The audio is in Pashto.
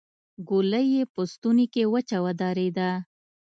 ګولۍ يې په ستونې کې وچه ودرېده.